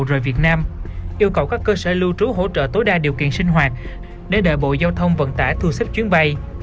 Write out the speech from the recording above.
tổng cụ du lịch đã có công văn yêu cầu các cơ sở lưu trú hỗ trợ tối đa điều kiện sinh hoạt để đợi bộ giao thông vận tải thu xếp chuyến bay